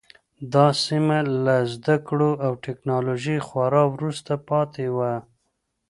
دا سیمه له زده کړو او ټکنالوژۍ خورا وروسته پاتې وه.